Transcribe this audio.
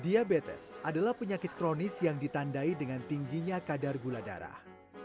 diabetes adalah penyakit kronis yang ditandai dengan tingginya kadar gula darah